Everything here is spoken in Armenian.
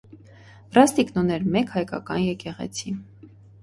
Բրաստիկն ուներ մեկ հայկական եկեղեցի։